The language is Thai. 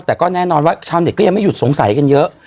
แต่ก็แน่นอนว่าชาวเน็ตก็ยังไม่หยุดสงสัยกันเยอะ